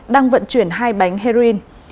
đang vận chuyển hai bánh heroin